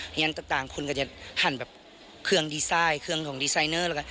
เพราะฉะนั้นต่างคนก็จะหันแบบเครื่องดีไซน์เครื่องของดีไซเนอร์